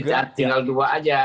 jadi tinggal dua aja